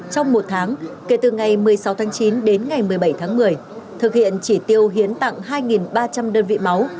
trong một tháng kể từ ngày một mươi sáu tháng chín đến ngày một mươi bảy tháng một mươi thực hiện chỉ tiêu hiến tặng hai ba trăm linh đơn vị máu